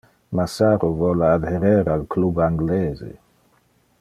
Masaru vole adherer al Club Anglese.